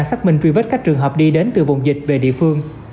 xác minh truy vết các trường hợp đi đến từ vùng dịch về địa phương